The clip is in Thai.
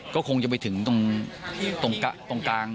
ก็คงจะไปถึงตรงกลางที่เหยียบนะครับ